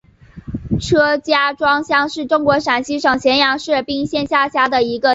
车家庄乡是中国陕西省咸阳市彬县下辖的一个乡。